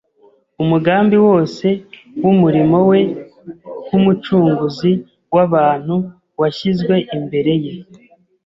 umugambi wose w’umurimo we nk’Umucunguzi w’abantu washyizwe imbere ye.